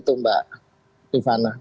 itu mbak ribana